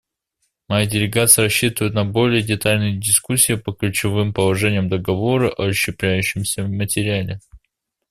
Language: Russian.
Моя делегация рассчитывает на более детальные дискуссии по ключевым положениям договора о расщепляющемся материале.